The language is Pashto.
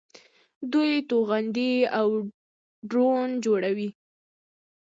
دوی توغندي او ډرون جوړوي.